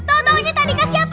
tau taunya tak dikasih apa apa